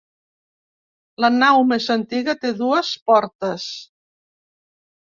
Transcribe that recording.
La nau més antiga té dues portes.